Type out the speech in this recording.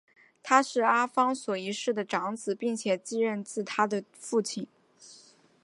他是阿方索一世的长子并且继任自他的父亲。